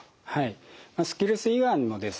スキルス胃がんのですね